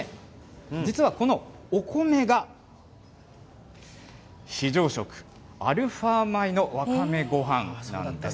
実はこのお米が非常食、アルファ米のわかめごはんなんです。